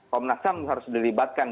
komnas ham harus dilibatkan